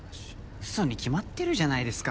うそに決まってるじゃないですか。